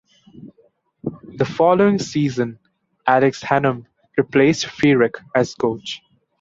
The following season, Alex Hannum replaced Feerick as coach.